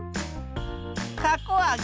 たこあげ。